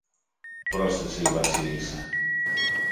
πρόσθεσε η Βασίλισσα.